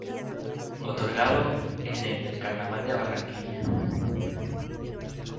Otorgado en el del Carnaval de Barranquilla.